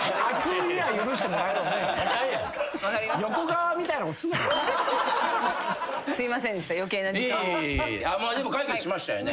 いえいえでも解決しましたよね。